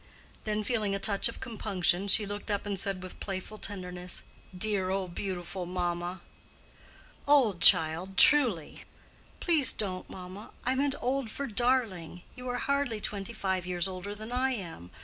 Then, feeling a touch of compunction, she looked up and said with playful tenderness, "Dear, old, beautiful mamma!" "Old, child, truly." "Please don't, mamma! I meant old for darling. You are hardly twenty five years older than I am.